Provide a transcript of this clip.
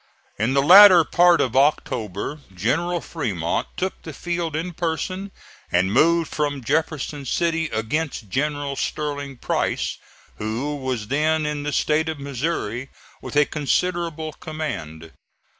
In the latter part of October General Fremont took the field in person and moved from Jefferson City against General Sterling Price, who was then in the State of Missouri with a considerable command.